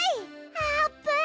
あーぷん！